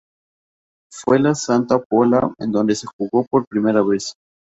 Fue en Santa Pola en donde se jugó por primera vez.